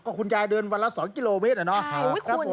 คุณยายเดินวันละ๒กิโลเมตรอะเนาะ